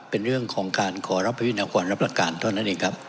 เป็นเรื่องของการขอรับประวินากรรับหลักการเท่านั้นเองครับ